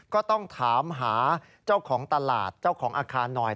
ก็ต้องถามหาเจ้าของตลาดเจ้าของอาคารหน่อย